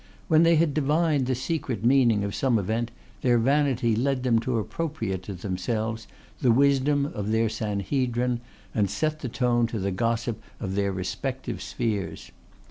When they had divined the secret meaning of some event their vanity led them to appropriate to themselves the wisdom of their sanhedrim, and set the tone to the gossip of their respective spheres.